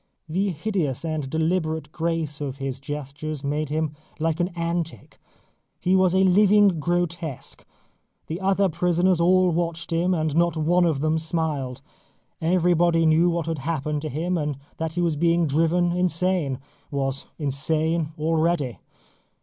The hideous and deliberate grace of his gestures made him like an antic. He was a living grotesque. The other prisoners all watched him, and not one of them smiled. Everybody knew what had happened to him, and that he was being driven insane was insane already.